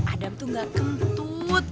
adam tuh gak kentut